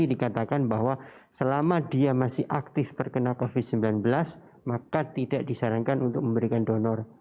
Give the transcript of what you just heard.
dikatakan bahwa selama dia masih aktif terkena covid sembilan belas maka tidak disarankan untuk memberikan donor